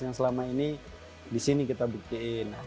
yang selama ini di sini kita buktiin